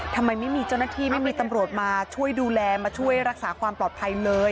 ทำไมไม่มีเจ้าหน้าที่ไม่มีตำรวจมาช่วยดูแลมาช่วยรักษาความปลอดภัยเลย